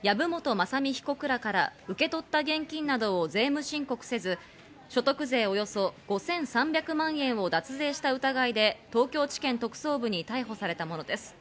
雅巳被告らから受け取った現金などを税務申告せず、所得税、およそ５３００万円を脱税した疑いで東京地検特捜部に逮捕されたものです。